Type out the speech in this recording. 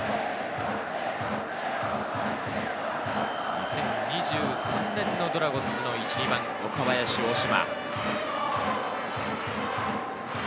２０２３年のドラゴンズの１・２番、岡林、大島。